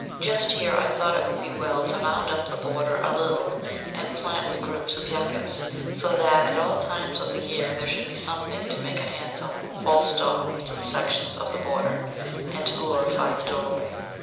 Just here I thought it would be well to mound up the border a little, and plant with groups of Yuccas, so that at all times of the year there should be something to make a handsome full stop to the sections of the border, and to glorify the doorway.